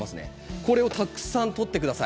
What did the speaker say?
これをたくさん取ってください。